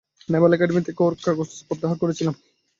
Naval academy থেকে ওর কাগজ প্রত্যাহার করেছিলাম।